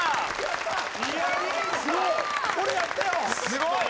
すごい。